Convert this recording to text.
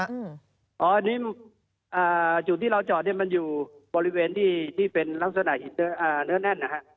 อันนี้จุดที่เราจอดมันอยู่บริเวณที่เป็นลักษณะเหนือแน่น